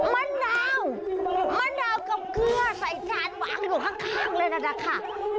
มะนาวกับเกลือใส่ชานวางอยู่ข้างเลยนะคะ